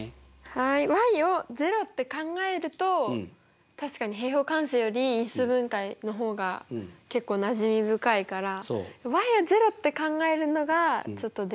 はいを０って考えると確かに平方完成より因数分解の方が結構なじみ深いから。を０って考えるのがちょっとできなかった。